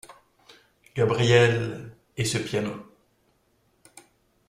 Gabrielle … et ce piano !